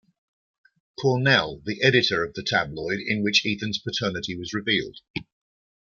Cornell, the editor of the tabloid in which Ethan's paternity was revealed.